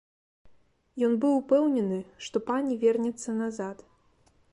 Ён быў упэўнены, што пані вернецца назад.